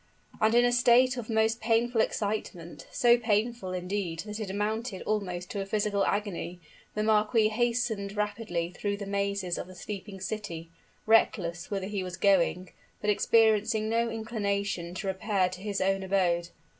And in a state of most painful excitement so painful, indeed, that it amounted almost to a physical agony the marquis hastened rapidly through the mazes of the sleeping city, reckless whither he was going, but experiencing no inclination to repair to his own abode.